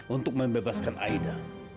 untuk membebaskan aida